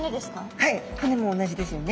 はい骨も同じですよね。